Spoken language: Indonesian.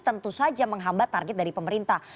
tentu saja menghambat target dari pemerintah